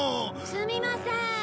すみませーん。